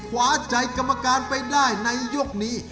ขวาใจกรรมการไปได้ในยกนี้